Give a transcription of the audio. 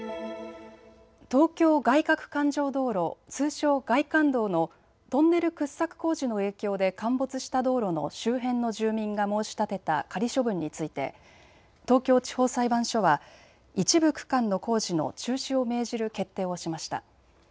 東京外かく環状道路、通称、外環道のトンネル掘削工事の影響で陥没した道路の周辺の住民が申し立てた仮処分について東京地方裁判所は一部区間の工事の中止を命じる決定をしました。